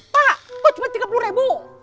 pak kok cuma rp tiga puluh